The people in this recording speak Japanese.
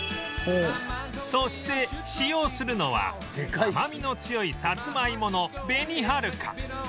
そして使用するのは甘みの強いさつまいものべにはるか